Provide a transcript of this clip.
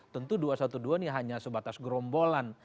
tentu dua ratus dua belas ini hanya sebatas gerombolan